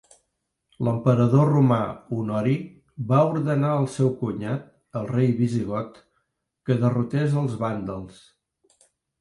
L'emperador romà Honori va ordenar al seu cunyat, el rei visigot, que derrotés els vàndals.